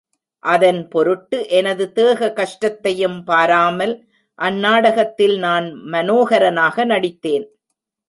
அதன் பொருட்டு எனது தேக கஷ்டத்தையும் பாராமல், அந்நாடகத்தில் நான் மனோஹரனாக நடித்தேன்.